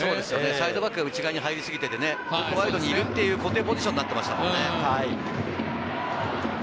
サイドバックが内側に入り過ぎていてね、ワイドにいるっていう固定ポジションでしたからね。